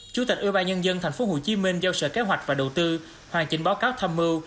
chủ tịch ủy ban nhân dân tp hcm giao sở kế hoạch và đầu tư hoàn chỉnh báo cáo thăm mưu